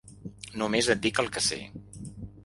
Només et dic el que sé.